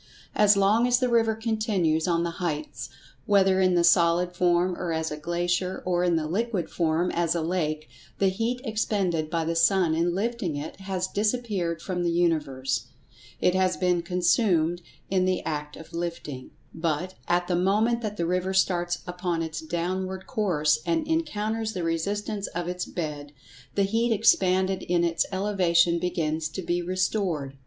As long as the river continues on the heights, whether in the solid form as a glacier, or in the liquid form as a lake, the heat expended by the[Pg 117] sun in lifting it has disappeared from the universe. It has been consumed in the act of lifting. But, at the moment that the river starts upon its downward course, and encounters the resistance of its bed, the heat expanded in its elevation begins to be restored.